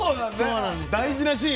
大事なシーン？